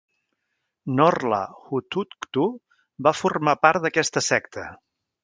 Norla Hutuktu va formar part d'aquesta secta.